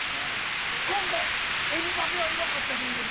今回、エムバペはいなかったということで。